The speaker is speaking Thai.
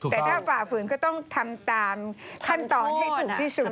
แต่ถ้าฝ่าฝืนก็ต้องทำตามขั้นตอนให้ถูกที่สุด